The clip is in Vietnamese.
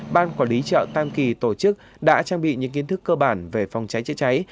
ban quản lý chợ tam kỳ tổ chức đã trang bị những kiến thức cơ bản về phòng cháy chữa cháy